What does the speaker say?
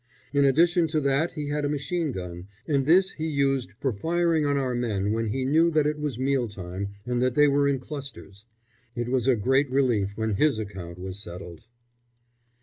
In addition to that he had a machine gun, and this he used for firing on our men when he knew that it was meal time and that they were in clusters. It was a great relief when his account was settled.